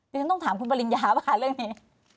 ดิฉันต้องถามคุณปริญญาหรือเปล่าคะเรื่องนี้